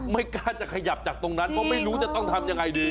ไม่กล้าจะขยับจากตรงนั้นเพราะไม่รู้จะต้องทำยังไงดี